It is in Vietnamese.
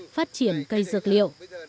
phát triển cây dược liệu